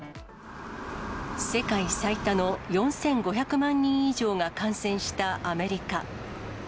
世界最多の４５００万人以上が感染したアメリカ。